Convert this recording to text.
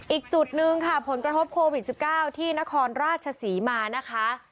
อีกจุดหนึ่งค่ะผลกระทบโควิด๑๙ที่นครราชศรีมานะคะ